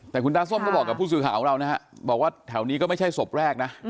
แต่คุณตาส้มก็บอกกับผู้สื่อข่าวของเรานะฮะบอกว่าแถวนี้ก็ไม่ใช่ศพแรกนะ